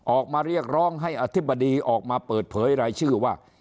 ออกมาเรียกร้องให้อธิบดีออกมาเปิดเผยรายชื่อว่า